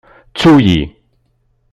Ttu-iyi.